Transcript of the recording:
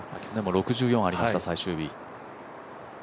６４ありました、最終日。